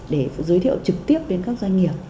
để giới thiệu trực tiếp đến các doanh nghiệp